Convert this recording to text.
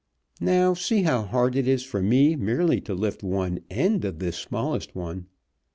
Now, see how hard it is for me merely to lift one end of this smallest one."